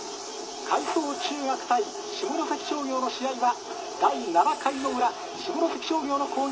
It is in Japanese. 海草中学対下関商業の試合は第７回の裏下関商業の攻撃です。